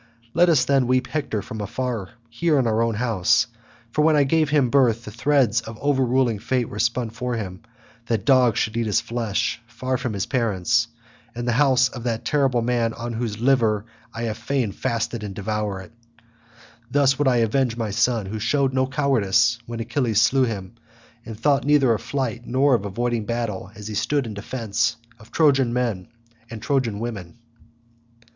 Let us then weep Hector from afar here in our own house, for when I gave him birth the threads of overruling fate were spun for him that dogs should eat his flesh far from his parents, in the house of that terrible man on whose liver I would fain fasten and devour it. Thus would I avenge my son, who showed no cowardice when Achilles slew him, and thought neither of flight nor of avoiding battle as he stood in defence of Trojan men and Trojan women."